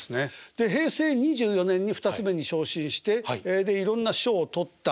で平成２４年に二ツ目に昇進していろんな賞を取った。